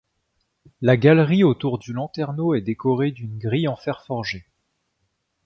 La galerie autour du lanterneau est décorée d'une grille en fer forgé.